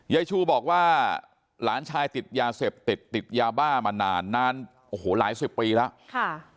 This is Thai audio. ยายชูบอกว่าหลานชายติดยาเสพติดติดยาบ้ามานานนานโอ้โหหลายสิบปีแล้วค่ะ